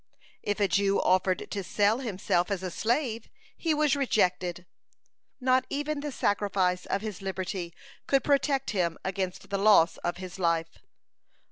If a Jew offered to sell himself as a slave, he was rejected; not even the sacrifice of his liberty could protect him against the loss of his life.